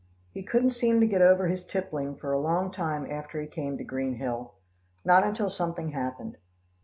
He couldn't seem to get over his tippling for a long time after he came to Green Hill not until something happened.